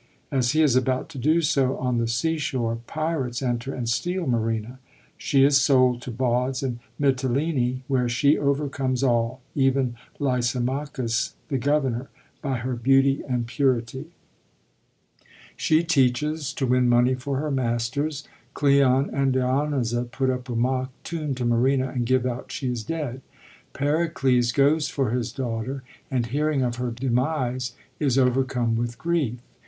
As he is about to do so on the sea shore, pirates enter and steal Marina. She is sold to bawds in Mitylene, where she overcomes all, even Lysimachus, the governor, by her beauty and purity. 138 PERICLES— THE TEMPEST She teaches, to win money for her masters. Oleon and Dionyza put up a mock tomb to Marina, and give out she is dead. Pericles goes for his daughter, and, hearing of her demise, is overcome with grief.